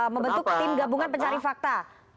membentuk tim gabungan pencari fakta